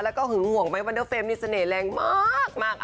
แล้วก็หึงห่วงไหมวันเดอร์เฟรมนี่เสน่ห์แรงมาก